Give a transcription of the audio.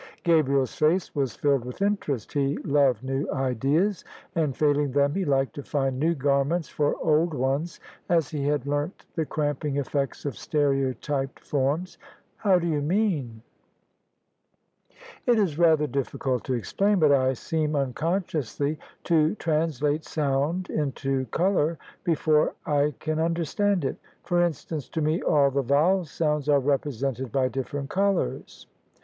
Gabriel's face was filled with interest: he loved new ideas; and, failing them, he liked to find new garments for old ones, as he had learnt the cramping effects of stereotyped forms. " How do you mean ?"" It is rather difiicult to explain ; but I seem unconsciously to translate sound into colour before I can understand it. For instance, to me all the vowel sounds are represented by different colours."